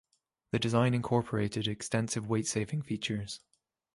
The design incorporated extensive weight saving features.